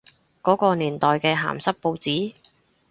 嗰個年代嘅鹹濕報紙？